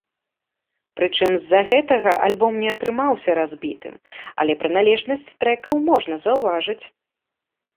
Прычым, з-за гэтага альбом не атрымаўся разбітым, але прыналежнасць трэкаў можна заўважыць.